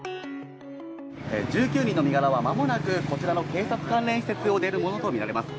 １９人の身柄はまもなくこちらの警察関連施設を出るものと見られます。